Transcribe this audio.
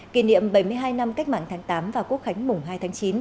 kỷ niệm bảy mươi hai năm cách mạng tháng tám và quốc khánh mùng hai tháng chín